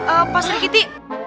eh pak skiti